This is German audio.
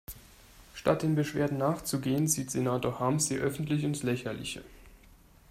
Statt den Beschwerden nachzugehen, zieht Senator Harms sie öffentlich ins Lächerliche.